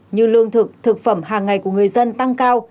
như lương thực thực phẩm hàng ngày của người dân tăng cao